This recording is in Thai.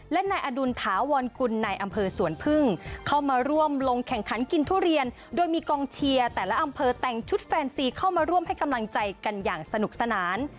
และนายอดุลถาวรกุลในอำเภอสวนพึ่งเข้ามาร่วมลงแข่งขันกินทุเรียนโดยมีกองเชียร์แต่ละอำเภอแต่งชุดแฟนซีเข้ามาร่วมให้กำลังใจกันอย่างสนุกสนาน